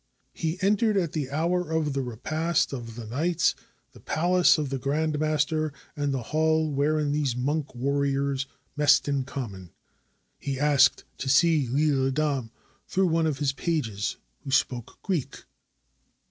He entered at the hour of the repast of the knights the palace of the grand master, and the hall wherein these monk warriors messed in common. He asked to see L'lle Adam, through one of his pages who spoke Greek.